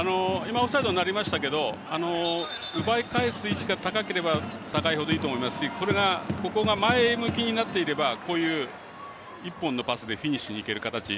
オフサイドになりましたが奪い返す位置が高ければ高いほどいいと思いますしこれが、ここが前向きになっていれば１本のパスでフィニッシュにいける形。